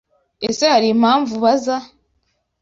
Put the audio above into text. Ese Hari impamvu ubaza?